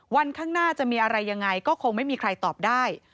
วันข้างหน้าจะมีอะไรยังไงก็คงไม่มีใครตอบได้